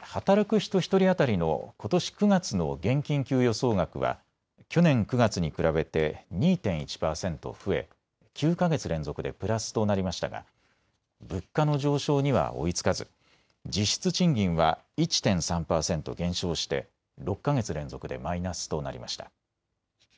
働く人１人当たりのことし９月の現金給与総額は去年９月に比べて２．１％増え９か月連続でプラスとなりましたが物価の上昇には追いつかず実質賃金は１．３％減少して６か月連続でマイナスとなりました。